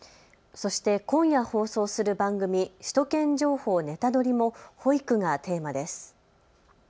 そして今夜、放送する番組、首都圏情報ネタドリ！も保育がテーマです。